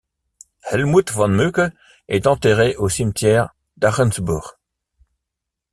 Hellmuth von Mücke est enterré au cimetière d'Ahrensburg.